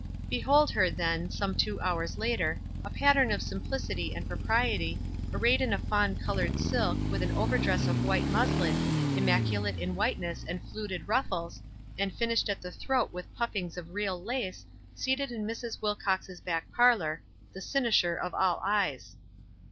Behold her, then, some two hours later, a pat tern of simplicity and propriety, arrayed in a fawn colored silk, with an overdress of White muslin, immaculate in whiteness and fluted ruf fles, and finished at the throat with puffings of real lace, seated in Mrs. Wilcox's back parlor, the cynosure of all eyes.